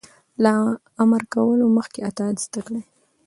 - له امر کولو مخکې اطاعت زده کړه.